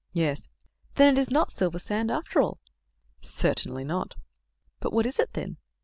"Yes." "Then it is not silver sand, after all?" "Certainly not." "But what is it, then?"